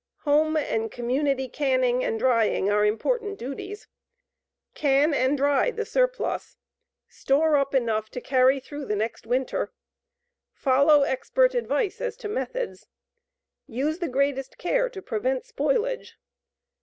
HOME AND COMMUNITY CANNING AND DRYING ARE IMPORTANT DUTIES. CAN AND DRY THE SURPLUS. STORE UP ENOUGH TO CARRY THROUGH THE NEXT WINTER. FOLLOW EXPERT ADVICE AS TO METHODS. USE THE GREATEST CARE TO PREVENT SPOILAGE.